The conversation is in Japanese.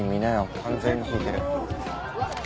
完全に引いてる。